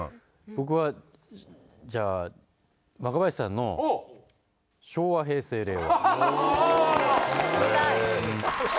僕はじゃあ若林さんの昭和・平成・令和。食べてみたい。